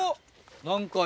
何か。